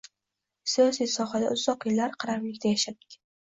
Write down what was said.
Siyosiy sohada uzoq yillar qaramlikda yashadik.